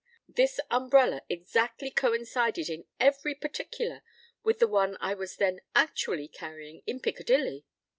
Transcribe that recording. This umbrella exactly coincided in every particular with the one I was then actually carrying in Piccadilly.